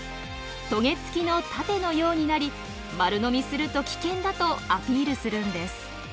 トゲ付きの盾のようになり丸飲みすると危険だとアピールするんです。